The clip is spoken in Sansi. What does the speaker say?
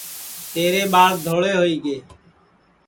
تیرے ٻاݪ دھوڑے ہوئی گے